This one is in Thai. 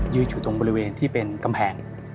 อยู่ตรงบริเวณที่เป็นกำแพง